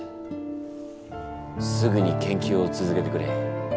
すぐに研究を続けてくれ。